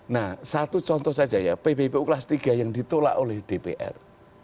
nah satu contoh saja ya pbpu kelas tiga yang ditolak oleh dpr